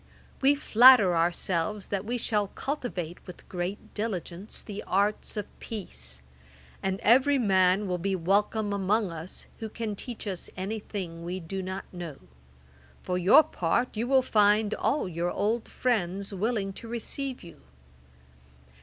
We flatter ourselves that we shall cultivate, with great diligence, the arts of peace; and every man will be welcome among us who can teach us any thing we do not know. For your part, you will find all your old friends willing to receive you.